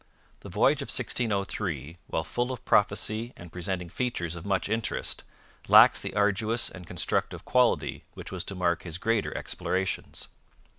The voyage of 1603, while full of prophecy and presenting features of much interest, lacks the arduous and constructive quality which was to mark his greater explorations.